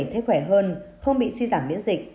thấy khỏe hơn không bị suy giảm biễn dịch